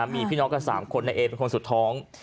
มีพี่น้องกัน๓คนนายเอเป็นคนสุดท้อง